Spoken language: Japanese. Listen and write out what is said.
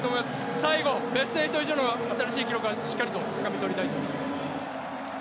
最後、ベスト８以上の新しい記録をしっかりとつかみ取りたいと思います。